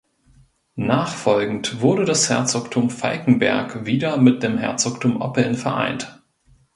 Nachfolgend wurde das Herzogtum Falkenberg wieder mit dem Herzogtum Oppeln vereint.